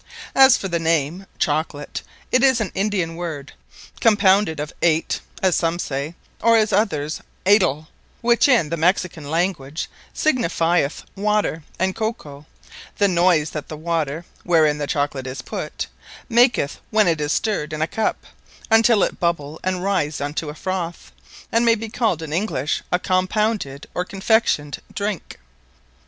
_ _As for the Name [Chocolate] it is an Indian word, compounded of Ate (as some say,) or (as others) Atle, which in the Mexican Language, signifieth Water; And Choco, the noise that the Water (wherein the Chocolate is put) maketh, when it is stirred in a Cup, untill it Bubble and rise unto a Froth: And may be called in English A Compounded, or Confectioned drinke.